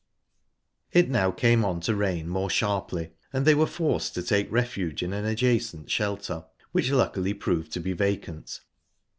It now came on to rain more sharply, and they were forced to take refuge in an adjacent shelter, which luckily proved to be vacant.